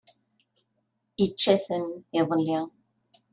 Ičča-ten, iḍelli!